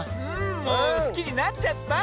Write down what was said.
もうすきになっちゃった！